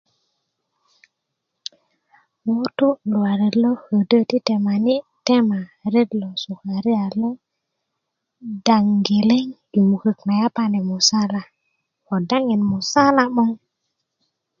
ŋutu' Luwalet lo ködö ti temani' tema ret lo sukariya lo daŋ geleŋ yi mukök na yapani musala ko daŋin musala 'ba